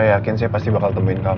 saya yakin saya pasti bakal temuin kamu